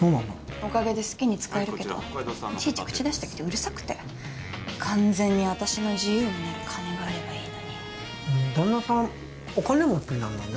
おかげで好きに使えるけどいちいち口出してきてうるさくて完全に私の自由になる金があればいいのに旦那さんお金持ちなんだね